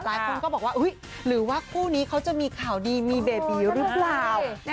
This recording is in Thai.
หลายคนก็บอกว่าหรือว่าคู่นี้เขาจะมีข่าวดีมีเบบีหรือเปล่า